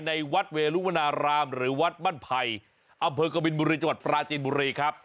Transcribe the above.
ในวัดเวลุวนารามหรือวัดบ้านไผ่อำเภอกบินบุรีจังหวัดปราจีนบุรีครับ